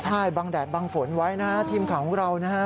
ใช่บังแดดบังฝนไว้นะทีมของเรานะ